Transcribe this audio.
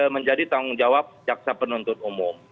menjadi tanggung jawab jaksa penuntut umum